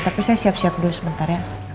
tapi saya siap siap dulu sebentar ya